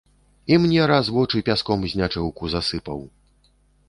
І мне раз вочы пяском знячэўку засыпаў.